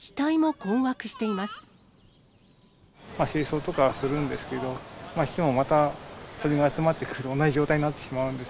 清掃とかはするんですけど、してもまた鳥が集まってくると同じ状態になってしまうんです